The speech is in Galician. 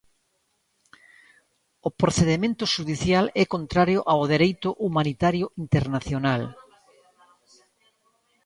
O procedemento xudicial é contrario ao Dereito Humanitario Internacional.